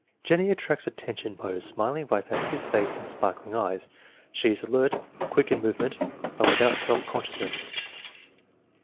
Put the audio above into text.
Jennie attracts attention by her smiling, vivacious face and sparkling eyes. She is alert, quick in movement, but without self consciousness.